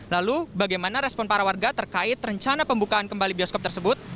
lalu bagaimana respon para warga terkait rencana pembukaan kembali bioskop tersebut